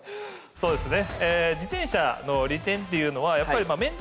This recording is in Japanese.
そうですね。